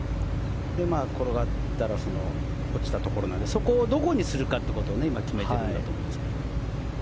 で、転がったら落ちたところなのでそこをどこにするかを今、決めているんだと思いますが。